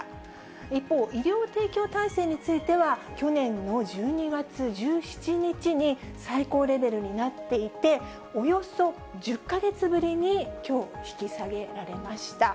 一方、医療提供体制については、去年の１２月１７日に最高レベルになっていて、およそ１０か月ぶりにきょう、引き下げられました。